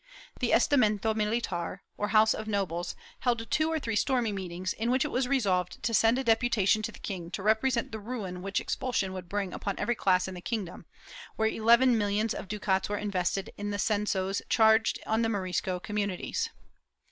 The Estamento Militar, or House of Nobles, held two or three stormy meetings, in which it was resolved to send a depu tation to the king to represent the ruin which expulsion would bring upon every class in the kingdom, where eleven millions of ducats were invested in the censos charged on the Morisco com munities.